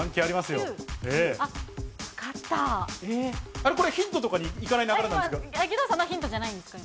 あれ、これヒントとかにいかない流れなんですか。